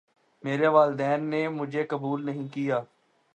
میرے والدین نے مجھے قبول نہیں کیا